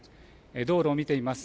道路を見てみます。